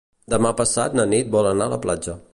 Demà passat na Nit vol anar a la platja.